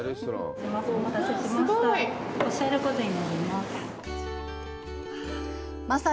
お待たせしました。